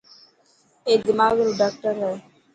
اي دماغ رو ڊاڪٽر هي.